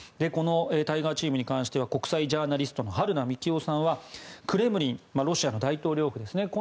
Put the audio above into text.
このタイガーチームに関して国際ジャーナリストの春名幹男さんはクレムリンロシアの大統領府ですね